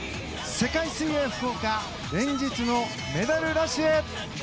世界水泳福岡連日のメダルラッシュへ。